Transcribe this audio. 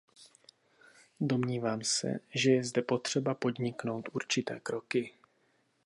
Domnívám se, že je zde potřeba podniknou určité kroky.